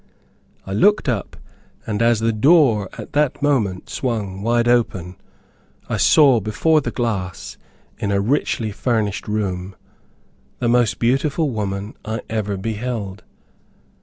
I looked up, and as the door at that moment swung wide open, I saw, before a glass, in a richly furnished room, the most beautiful woman I ever beheld.